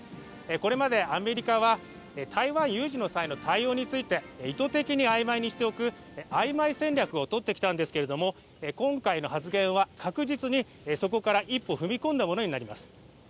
これまでアメリカは台湾有事の際の対応について意図的に曖昧にしておく曖昧戦略を取ってきたんですけれども今回の発言は確実にそこから一歩踏み込んだものになります。